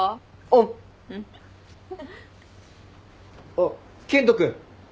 あっ健人君。